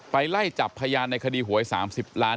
ไล่จับพยานในคดีหวย๓๐ล้าน